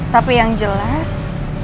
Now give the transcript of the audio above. tapi yang jelas